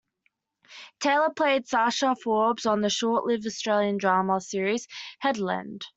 Taylor played Sasha Forbes on the short-lived Australian drama series "headLand".